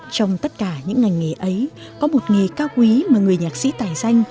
trong tất cả những ngành nghề ấy có một nghề cao quý mà người nhạc sĩ tài danh